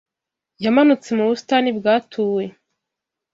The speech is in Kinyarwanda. Yamanutse mu busitani bwatuwe